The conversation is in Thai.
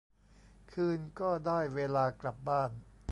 คืนก็ได้เวลากลับบ้าน